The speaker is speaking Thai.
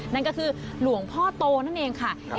นั่นก็คือหลวงพ่อโตนั่นเองค่ะ